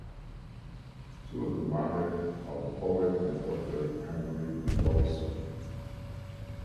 She was the mother of the poet and author Henry Lawson.